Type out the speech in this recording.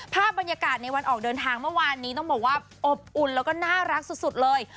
ภาพบรรยากาศในวันออกเดินทางเมื่อวานนี้โป๊บอุ่นและน่ารักสุดเลย